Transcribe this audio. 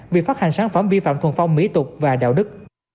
việc phát hành sản phẩm vi phạm thuần phong mỹ tục và đạo đức